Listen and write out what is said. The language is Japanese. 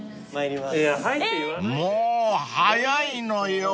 ［もうー早いのよ！］